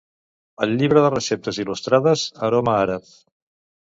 El llibre de receptes il·lustrades Aroma àrab.